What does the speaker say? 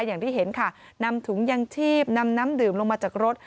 อย่างที่เห็นค่ะนำถุงยังชีพนำน้ำดื่มลงมาจากรถ